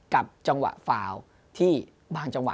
กับจังหวะฟาวที่บางจังหวะ